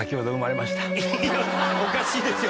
おかしいですよ